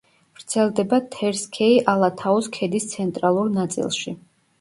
ვრცელდება თერსქეი-ალათაუს ქედის ცენტრალურ ნაწილში.